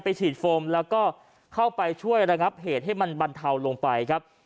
ฉีดโฟมแล้วก็เข้าไปช่วยระงับเหตุให้มันบรรเทาลงไปครับ